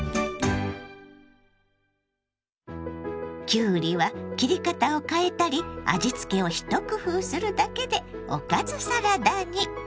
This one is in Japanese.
きゅうりは切り方を変えたり味付けを一工夫するだけでおかずサラダに！